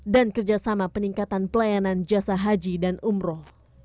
dan kerjasama peningkatan pelayanan jasa haji dan umroh